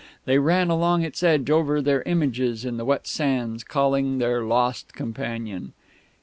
They ran along its edge over their images in the wet sands, calling their lost companion.